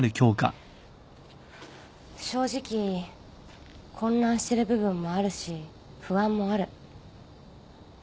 正直混乱してる部分もあるし不安もある。